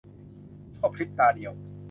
ชั่วพริบตาเดียว